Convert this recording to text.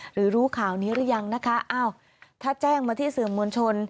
หรือรู้ข่าวนี้หรือยังนะคะอ้าวถ้าแจ้งมาที่สื่อมวลชน